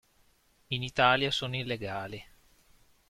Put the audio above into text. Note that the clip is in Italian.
In Italia sono illegali.